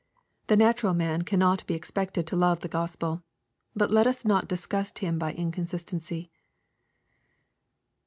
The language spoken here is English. The natural man cannot be expected to love the GospeL But let us not disgust him by inconsistency.